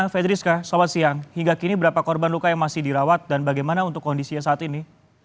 fedriska selamat siang hingga kini berapa korban luka yang masih dirawat dan bagaimana untuk kondisinya saat ini